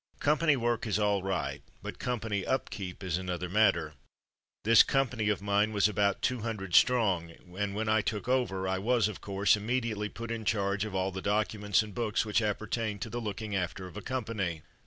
Company work is all right, but company upkeep is another matter. This company of mine was about two hundred strong, and when I ''took over'' I was, of course, immediately put in charge of all the documents and books which apper tain to the looking after of a company.